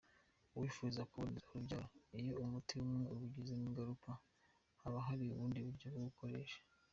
Uwifuza kuboneza urubyaro iyo umuti umwe umugizeho ingaruka, haba hari ubundi buryo bwo gukoresha.